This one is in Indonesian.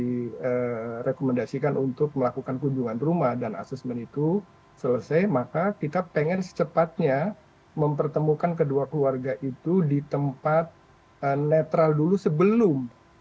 direkomendasikan untuk melakukan kunjungan rumah dan asesmen itu selesai maka kita pengen secepatnya mempertemukan kedua keluarga itu di tempat netral dulu sebelum